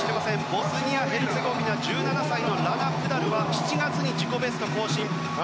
ボスニア・ヘルツェゴビナラナ・プダルは７月に自己ベスト更新。